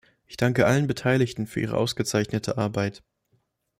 Ich danke allen Beteiligten für ihre ausgezeichnete Arbeit.